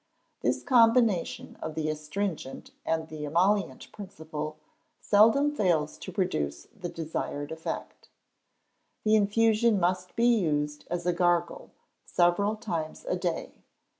This combination of the astringent and the emollient principle seldom fails to produce the desired effect. The infusion must be used as a gargle several times a day.